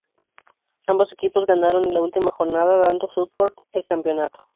Ambos equipos ganaron en la última jornada, dando Southport el campeonato.